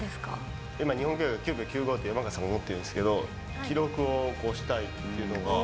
今、日本記録、９秒９５って山縣さんが持ってるんですけど、記録を超したいっていうのが。